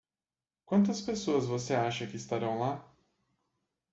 Quantas pessoas você acha que estarão lá?